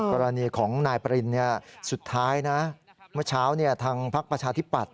กรณีของนายปริณสุดท้ายนะเมื่อเช้าทางพักประชาธิปัตย